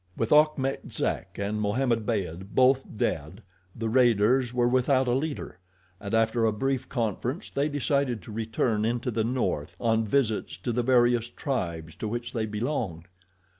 With Achmet Zek and Mohammed Beyd both dead, the raiders were without a leader, and after a brief conference they decided to return into the north on visits to the various tribes to which they belonged.